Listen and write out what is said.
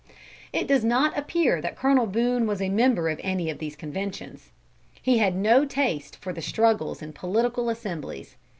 It does not appear that Colonel Boone was a member of any of these conventions. He had no taste for the struggles in political assemblies.